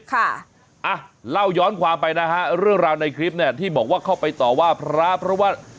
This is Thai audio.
ค่ะอ่ะเล่าย้อนความไปนะฮะเรื่องราวในคลิปเนี่ยที่บอกว่าเข้าไปต่อว่าพระเพราะว่า